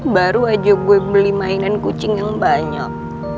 baru aja gue beli mainan kucing yang banyak